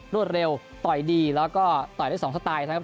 รวดเร็วต่อยดีแล้วก็ต่อยได้๒สไตล์นะครับ